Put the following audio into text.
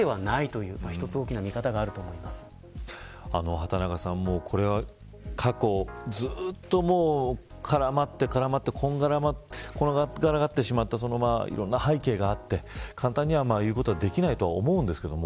畑中さん、これは過去ずっと絡まって絡まってこんがらがってしまったいろんな背景があって簡単に言うことはできないと思うんですけど